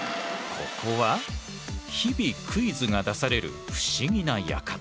ここは日々クイズが出される不思議な館。